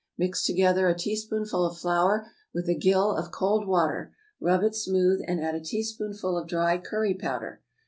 Mix together a teaspoonful of flour with a gill of cold water, rub it smooth, and add a teaspoonful of dry curry powder.